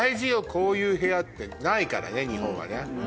こういう部屋ってないからね日本はね。